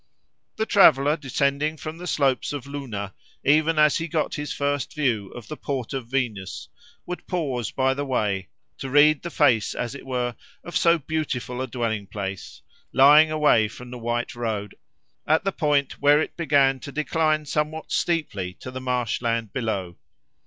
The traveller, descending from the slopes of Luna, even as he got his first view of the Port of Venus, would pause by the way, to read the face, as it were, of so beautiful a dwelling place, lying away from the white road, at the point where it began to decline somewhat steeply to the marsh land below.